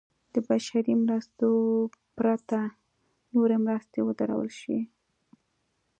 د بشري مرستو پرته نورې مرستې ودرول شي.